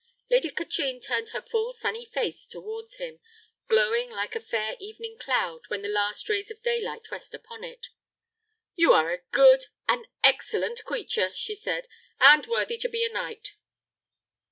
Lady Katrine turned her full sunny face towards him, glowing like a fair evening cloud when the last rays of daylight rest upon it: "You are a good, an excellent creature," she said, "and worthy to be a knight.